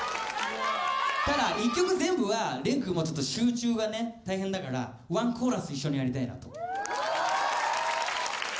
ただ１曲全部はれんくんもちょっと集中がね大変だから１コーラス一緒にやりたいなと。